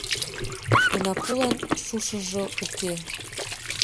Онапулан шушыжо уке.